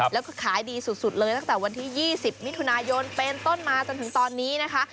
แล้วก็ขายดีสุดเลยตั้งแต่วันที่๒๐มิถุนายนเป็นต้นมาจนถึงตอนนี้นะคะ